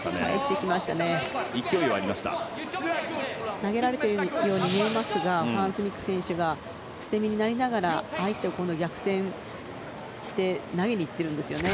投げられているように見えますがファン・スニック選手が捨て身になりながら相手を逆転して投げにいっているんですよね。